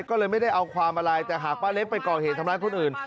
ก็เลยไม่ได้เอาความอะไรแต่หากป้าเล็กไปก่อเหตุทำร้ายคนอื่น